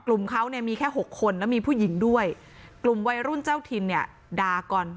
กลุ่มเขาเนี่ยมีแค่หกคนแล้วมีผู้หญิงด้วยกลุ่มวัยรุ่นเจ้าถิ่นเนี่ยด่าก่อน